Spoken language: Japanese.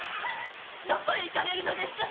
どこへ行かれるのですか！